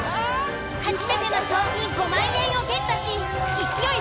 初めての賞金５万円をゲットし勢い